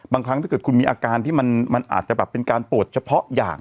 บางครั้งถ้าเกิดคุณมีอาการที่มันอาจจะแบบเป็นการปวดเฉพาะอย่าง